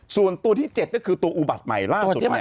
ส่วนตัวที่๗ก็คือตัวอุบัติใหม่ล่าสุดใหม่